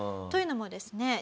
というのもですね